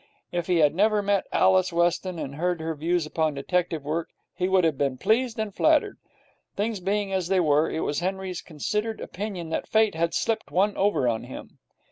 If he had never met Alice Weston, and heard her views upon detective work, he would have been pleased and flattered. Things being as they were, it was Henry's considered opinion that Fate had slipped one over on him.